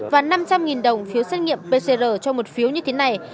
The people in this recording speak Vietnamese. và năm trăm linh đồng phiếu xét nghiệm pcr cho một phiếu như thế này